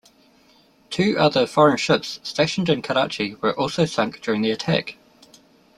Two other foreign ships stationed in Karachi were also sunk during the attack.